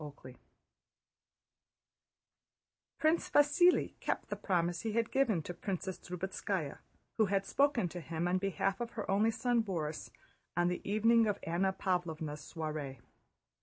CHAPTER X Prince Vasíli kept the promise he had given to Princess Drubetskáya who had spoken to him on behalf of her only son Borís on the evening of Anna Pávlovna's soiree.